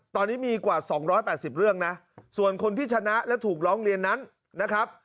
ตอนนี้มีกว่า๒๘๐เรื่องนะส่วนคนที่ชนะและถูกร้องเรียนนั้นนะครับ